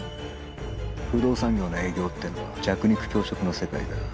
不動産業の営業ってのは弱肉強食の世界だ。